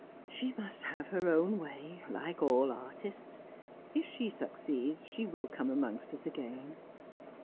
"She must have her own way, like all artists. If she succeeds, she will come amongst us again."